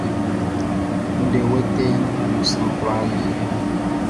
Ndɛ wɛtɛɛʼn yo sran kwlaa ye.